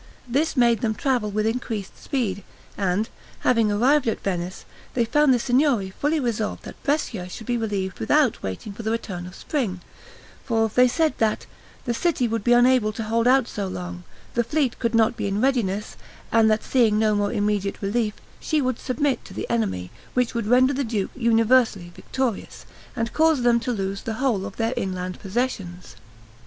This made them travel with increased speed; and, having arrived at Venice, they found the Signory fully resolved that Brescia should be relieved without waiting for the return of spring; for they said that "the city would be unable to hold out so long, the fleet could not be in readiness, and that seeing no more immediate relief, she would submit to the enemy; which would render the duke universally victorious, and cause them to lose the whole of their inland possessions."